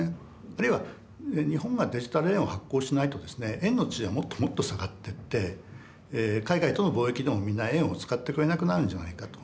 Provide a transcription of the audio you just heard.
あるいは日本がデジタル円を発行しないとですね円の地位はもっともっと下がってって海外との貿易でもみんな円を使ってくれなくなるんじゃないかと。